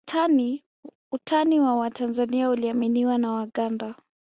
Utani wa Watanzania uliaminiwa na Waganda